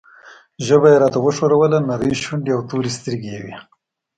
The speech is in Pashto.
ژبه یې راته وښوروله، نرۍ شونډې او تورې سترګې یې وې.